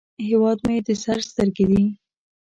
هیواد مې د سر سترګې دي